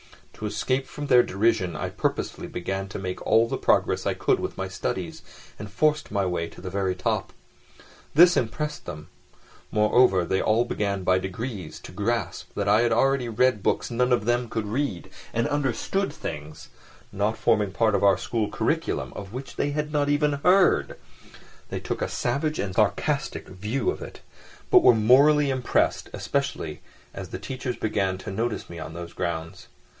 To escape from their derision I purposely began to make all the progress I could with my studies and forced my way to the very top. This impressed them. Moreover, they all began by degrees to grasp that I had already read books none of them could read, and understood things (not forming part of our school curriculum) of which they had not even heard. They took a savage and sarcastic view of it, but were morally impressed, especially as the teachers began to notice me on those grounds.